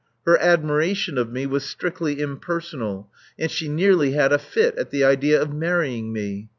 Her admiration of me was strictly impersonal ; and she nearly had a fit at the idea of marrying me.